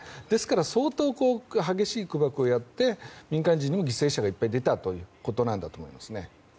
ですから相当激しい空爆をやって民間人にも犠牲者がいっぱい出たということだと思います。